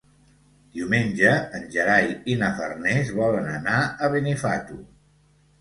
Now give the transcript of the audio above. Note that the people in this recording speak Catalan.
Diumenge en Gerai i na Farners volen anar a Benifato.